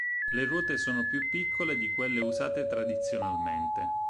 Le ruote sono più piccole di quelle usate tradizionalmente.